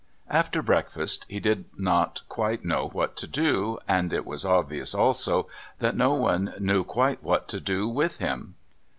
After breakfast he did not know quite what to do, and it was obvious, also, that no one knew quite what to do with him.